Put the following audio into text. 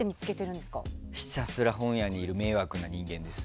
ひたすら本屋にいる迷惑な人間です。